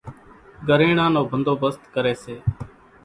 ڳريڻان نو ڀنڌوڀست ڪريَ سي۔